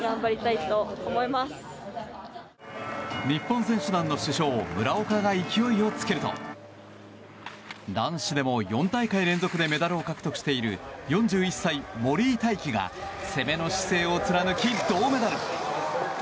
日本選手団の主将・村岡が勢いをつけると男子でも４大会連続でメダルを獲得している４１歳、森井大輝が攻めの姿勢を貫き、銅メダル！